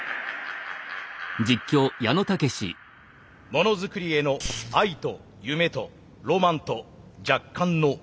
ものづくりへの愛と夢とロマンと若干の無謀。